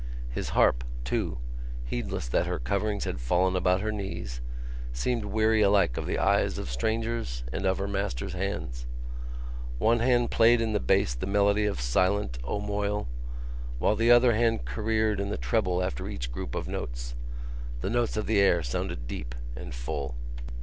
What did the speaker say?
His harp, too, heedless that her coverings had fallen about her knees, seemed weary alike of the eyes of strangers and of her master's hands. One hand played in the bass the melody of Silent, O Moyle, while the other hand careered in the treble after each group of notes. The notes of the air sounded deep and full.